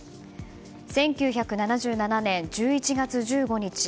１９７７年１１月１５日